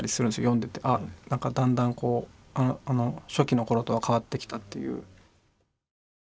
読んでてあっなんかだんだんこう初期の頃とは変わってきたっていう。